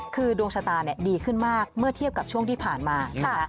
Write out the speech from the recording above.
คือดวงชะตาดีขึ้นมากเมื่อเทียบกับช่วงที่ผ่านมานะคะ